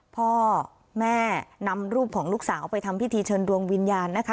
พ่อแม่นำรูปของลูกสาวไปทำพิธีเชิญดวงวิญญาณนะคะ